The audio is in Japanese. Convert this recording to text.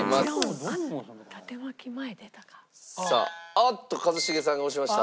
おっと一茂さんが押しました。